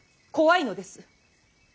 怖いのです。